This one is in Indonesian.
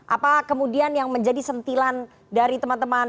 apa kemudian yang menjadi sentilan dari teman teman